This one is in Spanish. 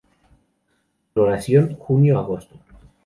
Floración: junio-agosto.